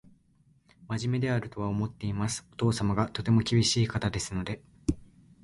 真面目であるとは思っています。お父様がとても厳しい方ですので